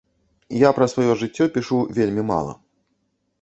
Я пра сваё жыццё пішу вельмі мала.